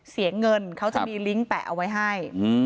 เสียเงินเขาจะมีลิงก์แปะเอาไว้ให้